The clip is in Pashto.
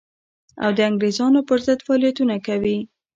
او د انګرېزانو پر ضد فعالیتونه کوي.